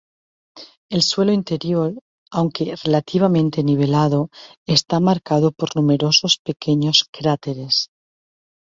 El suelo interior, aunque relativamente nivelado, está marcado por numerosos pequeños cráteres.